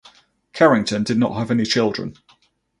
Carrington did not have any children.